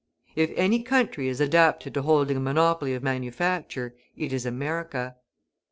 If any country is adapted to holding a monopoly of manufacture, it is America.